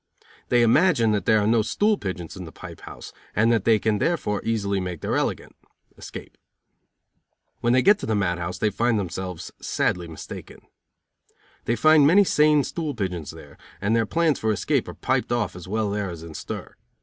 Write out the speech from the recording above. They imagine that there are no stool pigeons in the pipe house, and that they can therefore easily make their elegant (escape). When they get to the mad house they find themselves sadly mistaken. They find many sane stool pigeons there, and their plans for escape are piped off as well there as in stir.